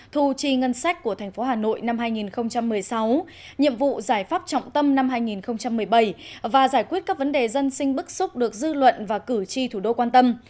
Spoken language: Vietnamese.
thu chi ngân sách của thành phố hà nội năm hai nghìn một mươi sáu nhiệm vụ giải pháp trọng tâm năm hai nghìn một mươi bảy và giải quyết các vấn đề dân sinh bức xúc được dư luận và cử tri thủ đô quan tâm